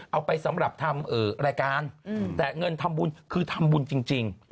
เอาไปสำหรับทำรายการแต่เงินทำบุญคือทำบุญจริง